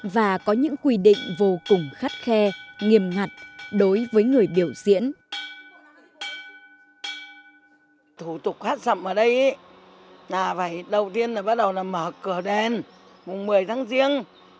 và có những quy định vô cùng khắt khe nghiêm ngặt đối với người biểu diễn